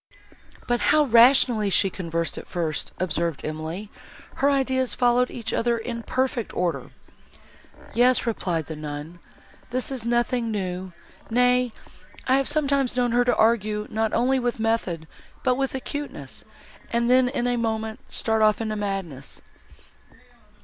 "But how rationally she conversed, at first!" observed Emily, "her ideas followed each other in perfect order." "Yes," replied the nun, "this is nothing new; nay, I have sometimes known her argue not only with method, but with acuteness, and then, in a moment, start off into madness."